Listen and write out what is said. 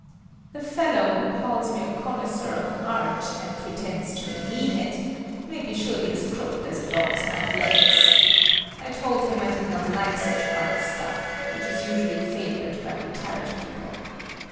The fellow who calls me a connoisseur of art and pretends to mean it, may be surely as crooked as a dog's hind legs. I told him I did not like such art stuff, which is usually favored by retired people.